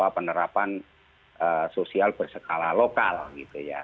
penerapan sosial berskala lokal gitu ya